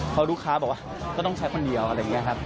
เพราะลูกค้าบอกว่าก็ต้องใช้คนเดียวอะไรอย่างนี้ครับ